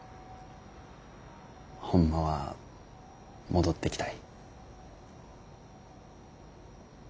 ホンマは戻ってきたい。